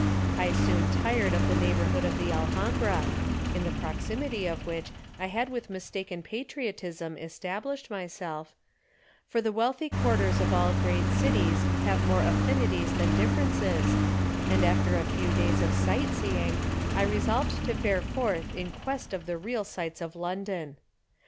I soon tired of the neighborhood of the Alhambra (in the proximity of which I had with mistaken patriotism established myself), for the wealthy quarters of all great cities have more affinities than differences, and after a few days of sight seeing I resolved to fare forth in quest of the real sights of London.